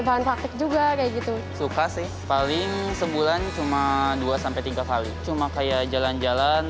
bahan praktik juga kayak gitu suka sih paling sebulan cuma dua tiga kali cuma kayak jalan jalan